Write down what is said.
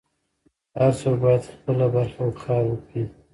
هر څوک بايد خپله برخه کار وکړي.